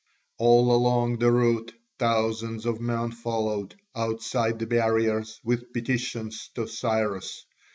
All along the route thousands of men followed, outside the barriers, with petitions to Cyrus.